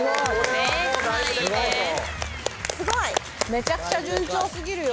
めちゃくちゃ順調過ぎるよ。